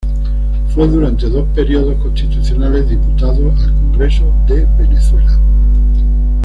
Fue durante dos períodos constitucionales diputado al Congreso de Venezuela.